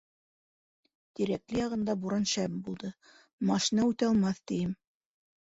Тирәкле яғында буран шәп булды, машина үтә алмаҫ тием...